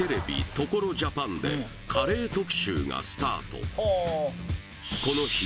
「所ＪＡＰＡＮ」でカレー特集がスタート